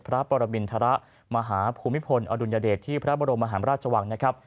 พระปรมินทรมาหาภูมิพลอดุลยเดชที่พระบรมหาราชวังนะครับ